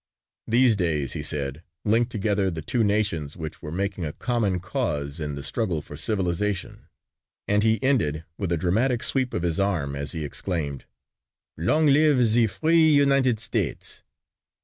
These days, he said, linked together the two nations which were making a common cause in the struggle for civilization and he ended with a dramatic sweep of his arm as he exclaimed, "Long live the free United States."